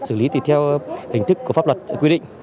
xử lý tùy theo hình thức của pháp luật quy định